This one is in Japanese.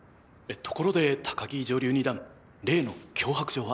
ところで高城女流二段例の脅迫状は。